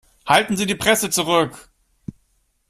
Halten Sie die Presse zurück!